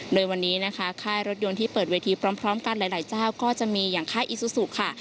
โดยวันนี้นะคะค่ายรถยนต์ที่เปิดเวทีพร้อมกันหลายเจ้าก็จะมีอย่างค่ายอีซูซูค่ะ